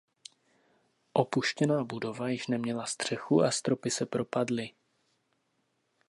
Opuštěná budova již neměla střechu a stropy se propadly.